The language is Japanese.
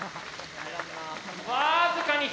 僅かに左。